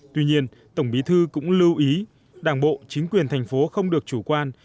tuy nhiên tổng bí thư cũng lưu ý đảng bộ chính quyền thành phố không được chủ quan